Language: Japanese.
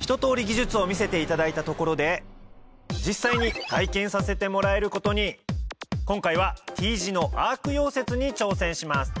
ひと通り技術を見せていただいたところで実際に体験させてもらえることに今回はＴ字のアーク溶接に挑戦します